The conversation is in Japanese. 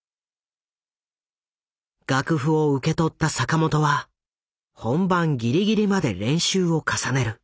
楽譜を受け取った坂本は本番ぎりぎりまで練習を重ねる。